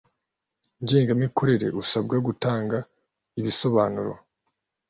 ngengamikorere usabwa gutanga ibisobanuro